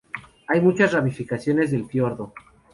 Hay muchas ramificaciones del fiordo.